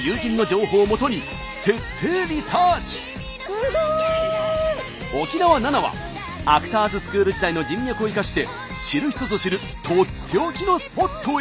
すごい！沖縄ＮＡＮＡはアクターズスクール時代の人脈を生かして知る人ぞ知るとっておきのスポットへ！